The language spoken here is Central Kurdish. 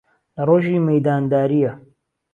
لە رۆژی مەیداندارییە